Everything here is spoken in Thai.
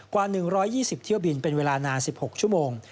กว่า๑๒๐เที่ยวบินเป็นเวลานาน๑๖ชั่วโมง